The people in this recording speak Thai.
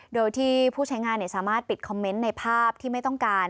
โดยที่ผู้ใช้งานสามารถปิดคอมเมนต์ในภาพที่ไม่ต้องการ